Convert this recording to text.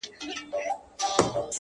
داسي نه كيږي چي اوونـــۍ كې گـــورم